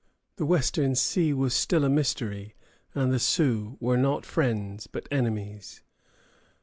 The Western Sea was still a mystery, and the Sioux were not friends, but enemies.